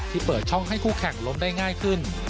เปิดช่องให้คู่แข่งล้มได้ง่ายขึ้น